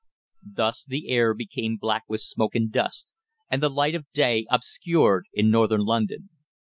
Thus the air became black with smoke and dust, and the light of day obscured in Northern London.